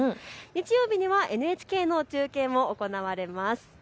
月曜日にはＮＨＫの中継も行われます。